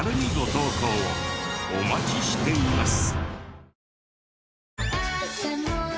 お待ちしています。